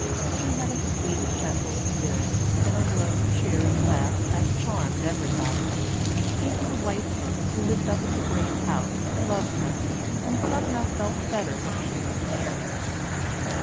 She had a sweet, gentle spirit, and a low, cheery laugh that charmed everybody. Even the white folks who lived up at the great house loved her, and somehow felt better when she was near.